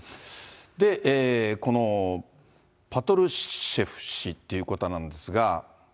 で、このパトルシェフ氏ということなんですが。